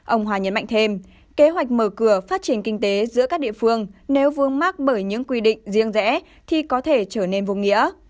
ông hòa nhấn mạnh thêm kế hoạch mở cửa phát triển kinh tế giữa các địa phương nếu vương mắc bởi những quy định riêng rẽ thì có thể trở nên vô nghĩa